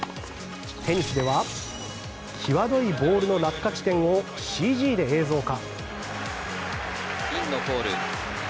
テニスでは際どいボールの落下地点をＣＧで映像化。